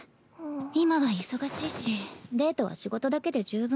今は忙しいしデートは仕事だけで十分。